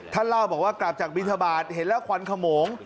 ท่านลาวบอกว่ากลับจากบิทบาทเห็นแล้วขวรขโมง